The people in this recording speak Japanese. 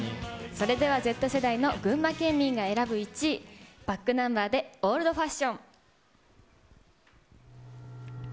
それではＺ世代の群馬県民が選ぶ１位、ｂａｃｋｎｕｍｂｅｒでオールドファッション。